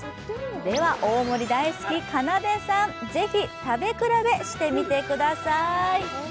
では、大盛り大好きかなでさん、ぜひ食べ比べしてみてください。